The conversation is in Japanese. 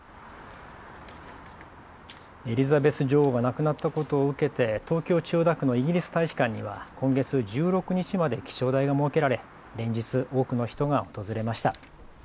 エリザベス女王が亡くなったことを受けて、東京千代田区のイギリス大使館には今月１６日まで記帳台が設けられ連日多くの人が訪れました。